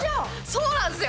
そうなんですよ。